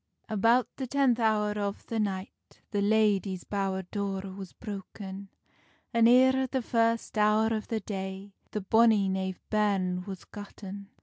About the tenth hour of the night, The ladie's bowr door was broken, An eer the first hour of the day The bonny knave bairn was gotten.